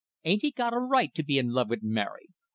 "Ain't he got a right to be in love vit Mary?